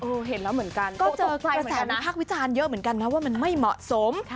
ก็เจอกระแสมีภาควิจารณ์เยอะเหมือนกันนะว่าไม่เหมาะสม